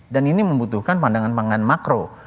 dan ini membutuhkan pandangan pandangan makro